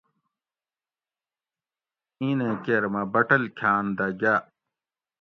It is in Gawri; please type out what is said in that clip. اِینیں کیر مۤہ بٹل کھاۤن دۤہ گاۤ